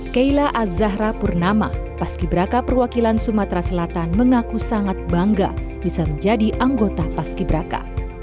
keila azahra purnama pas kibraka perwakilan sumatera selatan mengaku sangat bangga bisa menjadi anggota pas kibraka